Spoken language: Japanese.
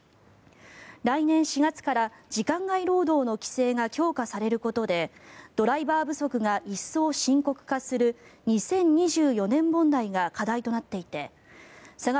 来年４月から時間外労働の規制が強化されることでドライバー不足が一層深刻化する２０２４年問題が課題となっていて佐川